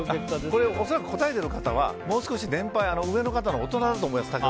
これ、恐らく答えている方はもう少し年配大人だと思います。